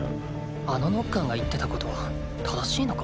あのノッカーが言ってたことは正しいのか？